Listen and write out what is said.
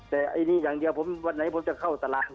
แต่วันไหนผมจะเข้าตรา